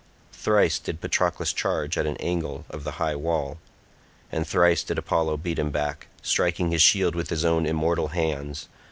Thrice did Patroclus charge at an angle of the high wall, and thrice did Apollo beat him back, striking his shield with his own immortal hands.